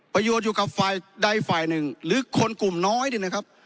ประโยชน์อยู่กับฝ่ายใดฝ่ายหนึ่งหรือคนกลุ่มน้อยเนี่ยนะครับ